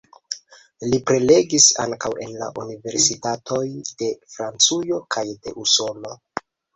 Li prelegis ankaŭ en la universitatoj de Francujo kaj de Usono.